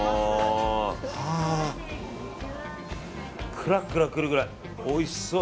クラクラくるくらいおいしそう。